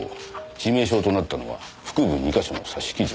致命傷となったのは腹部２か所の刺し傷です。